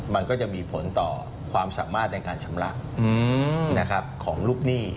มันก็จะมีผลต่อความสามารถในการชำระของลูกหนี้